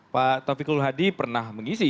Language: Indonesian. pak taufikul hadi pernah mengisi